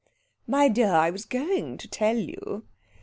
"My dear, I was going to tell you."